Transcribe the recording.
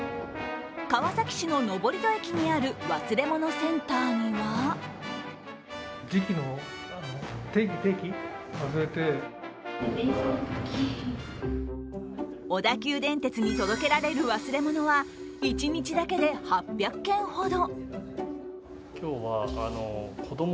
川崎市の登戸駅にある忘れ物センターには小田急電鉄に届けられる忘れ物は１日だけで８００件ほど。